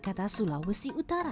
kearifan lokal di lee kupang